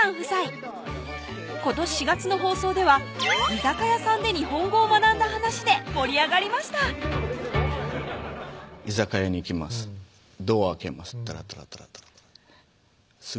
今年４月の放送では居酒屋さんで日本語を学んだ話で盛り上がりました居酒屋に行きますドア開けます